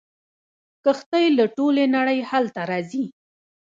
کښتۍ له ټولې نړۍ هلته راځي.